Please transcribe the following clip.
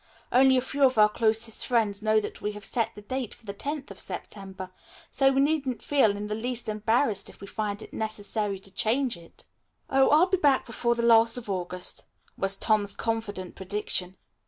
Only a few of our closest friends know that we have set the date for the tenth of September, so we needn't feel in the least embarrassed if we find it necessary to change it." "Oh, I'll be back before the last of August," was Tom's confident prediction.